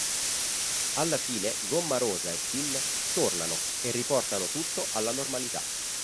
Alla fina Gommarosa e Finn tornano e riportano tutto alla normalità.